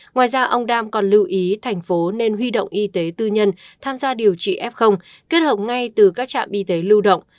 ngoài ra ông đam còn lưu ý thành phố nên huy động y tế tư nhân tham gia điều trị f kết hợp ngay từ các trạm y tế lưu động